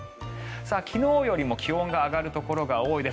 昨日よりも気温が上がるところが多いです。